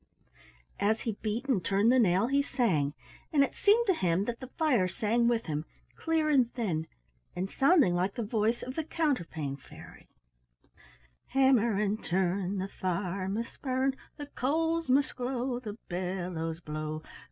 As he beat and turned the nail he sang, and it seemed to him that the fire sang with him, clear and thin, and sounding like the voice of the Counterpane Fairy,— "Hammer and turn! The fire must burn, The coals must glow, The bellows blow.